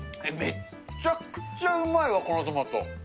めっちゃくちゃうまいわ、このトマト。